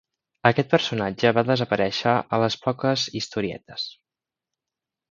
Aquest personatge va desaparèixer a les poques historietes.